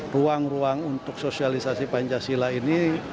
ruang ruang untuk sosialisasi pancasila ini